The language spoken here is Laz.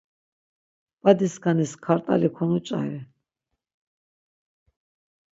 Badiskanis kart̆ali konuç̌ari.